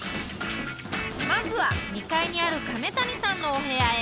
まずは２階にある亀谷さんのお部屋へ！